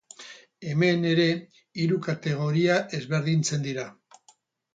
Hemen ere hiru kategoria ezberdintzen dira.